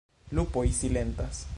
Lupoj silentas.